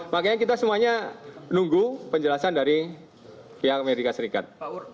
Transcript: makanya kita semuanya nunggu penjelasan dari pihak amerika serikat